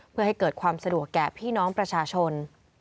เพื่อให้เกิดความสะดวกแก่พี่น้องประชาชน